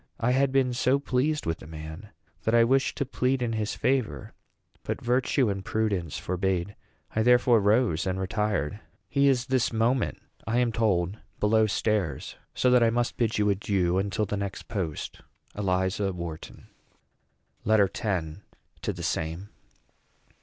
I had been so pleased with the man that I wished to plead in his favor; but virtue and prudence forbade. I therefore rose and retired. He is this moment, I am told, below stairs; so that I must bid you adieu until the next post. ELIZA WHARTON. LETTER X. TO THE SAME.